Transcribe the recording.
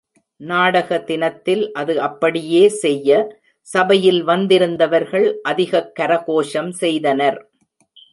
நாடக தினத்தில் அது அப்படியே செய்ய, சபையில் வந்திருந்தவர்கள் அதிகக் கரகோஷம் செய்தனர்.